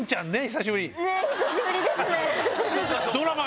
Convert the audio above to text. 久しぶりですね！